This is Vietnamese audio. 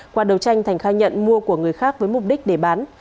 qua đầu tranh thành khai nhận mua của người khác với mục đích để bán